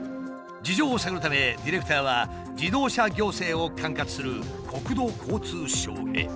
事情を探るためディレクターは自動車行政を管轄する国土交通省へ。